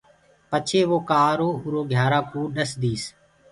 پڇي وو ڪآرو اُرو گھيآرآ ڪوُ ڏس ديس۔